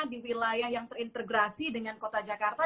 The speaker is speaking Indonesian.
di wilayah yang terintegrasi dengan kota jakarta